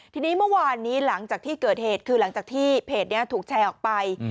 ทีนี้เมื่อวานนี้หลังจากที่เกิดเหตุคือหลังจากที่เพจนี้ถูกแชร์ออกไป